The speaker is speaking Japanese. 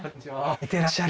似てらっしゃる。